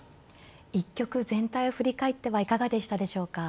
一局全体を振り返ってはいかがでしたでしょうか。